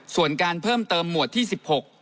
ส่วนการเพิ่มเติมหมวดที่๑๖